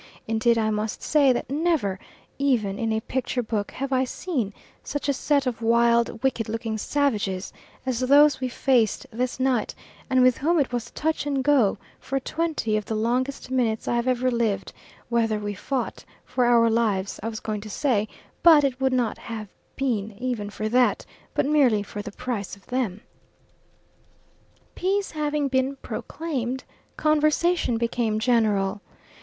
Indeed I must say that never even in a picture book have I seen such a set of wild wicked looking savages as those we faced this night, and with whom it was touch and go for twenty of the longest minutes I have ever lived, whether we fought for our lives, I was going to say, but it would not have been even for that, but merely for the price of them. Peace having been proclaimed, conversation became general.